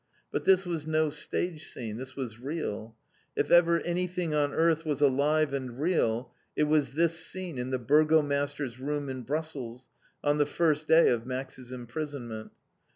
But this was no stage scene. This was real. If ever anything on earth was alive and real it was this scene in the Burgomaster's room in Brussels, on the first day of Max's imprisonment.